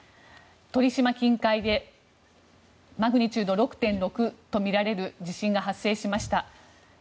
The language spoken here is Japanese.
鳥島近海でマグニチュード６．６とみられる地震が発生しました。